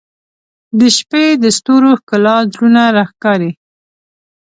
• د شپې د ستورو ښکلا زړونه راښکاري.